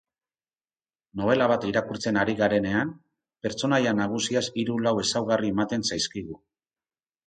Nobela bat irakurtzen ari garenean, pertsonaia nagusiaz hiru-lau ezaugarri ematen zaizkigu.